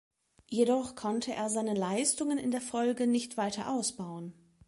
Jedoch konnte er seine Leistungen in der Folge nicht weiter ausbauen.